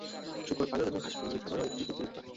শূকর পালন এবং হাঁস-মুরগির খামারও একটি অতিরিক্ত আয়।